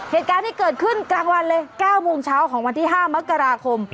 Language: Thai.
เหตุการณ์ที่เกิดขึ้นกลางวันเลย๙โมงเช้าของวันที่๕มกราคม